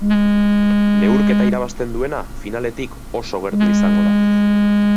Neurketa irabazten duena finaletik oso gertu izango da.